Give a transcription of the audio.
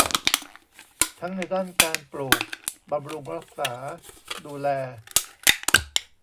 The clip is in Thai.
ทั้งในด้านการปลูก บำรุงรักษา ดูแล